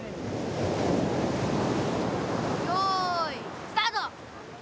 よーい、スタート。